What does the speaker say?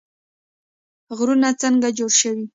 غرونه څنګه جوړ شوي؟